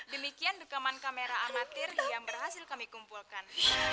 demikian rekaman kamera amatir yang berhasil kami kumpulkan